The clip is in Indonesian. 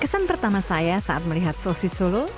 kesan pertama saya saat melihat sosis solo